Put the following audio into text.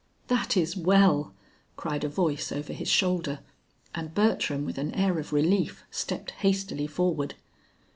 "That is well," cried a voice over his shoulder, and Bertram with an air of relief stepped hastily forward.